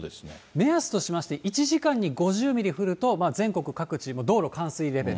目安としまして、１時間に５０ミリ降ると全国各地、道路冠水レベル。